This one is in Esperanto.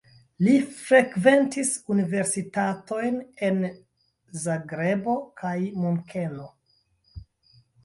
Li frekventis universitatojn en Zagrebo kaj Munkeno.